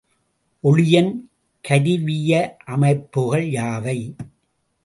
ஒளியன் கருவியமைப்புகள் யாவை?